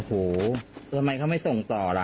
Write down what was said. โหทำไมเขาไม่ส่งต่อล่ะ